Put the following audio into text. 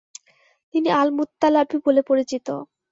তিনি আল-মুত্তালাবী বলে পরিচিত ।